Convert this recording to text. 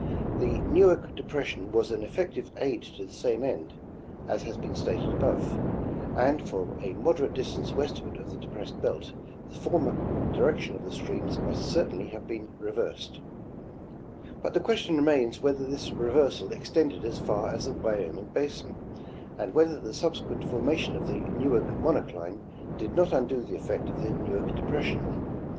The Newark depression was an effec tive aid to the same end, as has been stated above, and for a moderate distance westward of the depressed belt, the former direction of the streams must certainly have been reversed ; but the question remains whether this reversal extended as far as the Wyoming basin, and whether the subsequent formation of the Newark monocline did not undo the effect of the Newark depres sion.